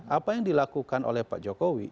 apa yang dilakukan oleh pak jokowi